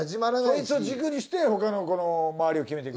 ソイツを軸にして他のこの周りを決めていく？